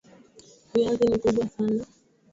Viazi ni kubwa sana.